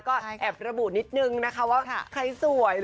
ก็แอบระบุนิดนึงนะคะว่าใครสวย